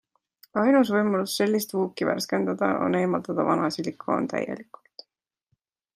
Ainus võimalus sellist vuuki värskendada, on eemaldada vana silikoon täielikult.